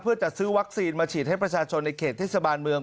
เพื่อจัดซื้อวัคซีนมาฉีดให้ประชาชนในเขตเทศบาลเมือง